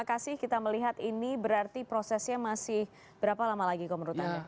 oke kita melihat ini berarti prosesnya masih berapa lama lagi kok menurut anda